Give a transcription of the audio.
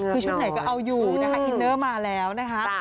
คือชุดไหนก็เอาอยู่นะคะอินเนอร์มาแล้วนะคะ